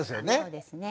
そうですね。